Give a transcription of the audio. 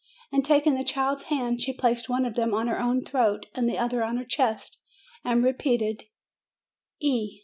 And taking the child's hands, she placed one of them on her own throat and the other on her chest, and repeated "e."